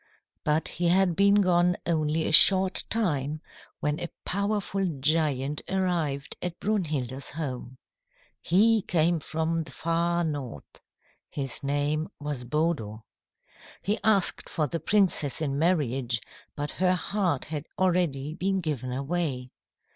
"But he had been gone only a short time when a powerful giant arrived at Brunhilda's home. He came from the far north. His name was Bodo. "He asked for the princess in marriage, but her heart had already been given away.